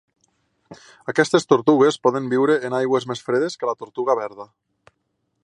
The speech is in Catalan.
Aquestes tortugues poden viure en aigües més fredes que la tortuga verda.